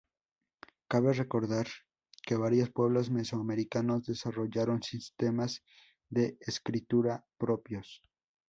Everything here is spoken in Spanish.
Cabe recordar que varios pueblos mesoamericanos desarrollaron sistemas de escritura propios.